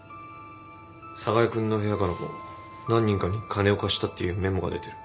寒河江君の部屋からも何人かに金を貸したっていうメモが出てる。